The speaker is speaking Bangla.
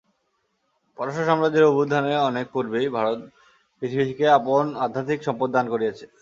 পারস্য-সাম্রাজ্যের অভ্যুত্থানের অনেক পূর্বেই ভারত পৃথিবীকে আপন আধ্যাত্মিক সম্পদ দান করিয়াছে।